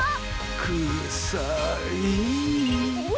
くさい。